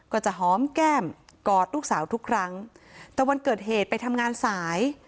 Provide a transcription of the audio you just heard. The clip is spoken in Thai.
ก็จะหอมแก้มกอดลูกสาวทุกครั้งแต่วันเกิดเหตุไปทำงานสาย